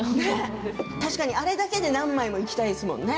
確かにあれだけで何枚もいきたいですよね。